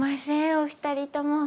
お二人とも。